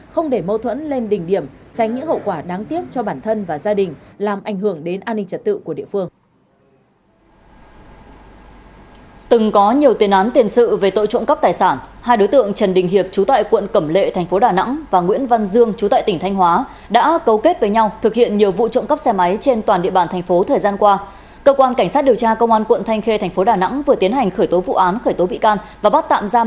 không để mâu thuẫn lên đỉnh điểm tránh những hậu quả đáng tiếc cho bản thân và gia đình làm ảnh hưởng đến an ninh trật tự của địa phương